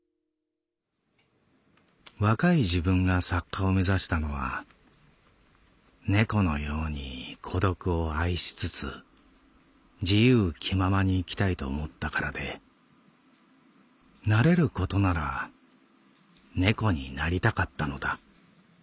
「若い自分が作家を目指したのは猫のように孤独を愛しつつ自由気ままに生きたいと思ったからでなれることなら猫になりたかったのだ。